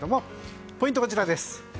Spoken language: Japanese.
ポイントはこちらです。